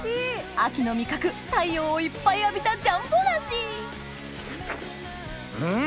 秋の味覚太陽をいっぱい浴びたジャンボ梨ん！